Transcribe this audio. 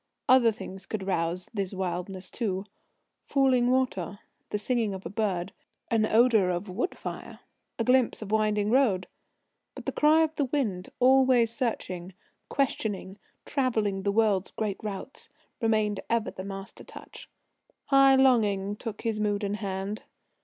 Other things could rouse this wildness too: falling water, the singing of a bird, an odour of wood fire, a glimpse of winding road. But the cry of wind, always searching, questioning, travelling the world's great routes, remained ever the master touch. High longing took his mood in hand.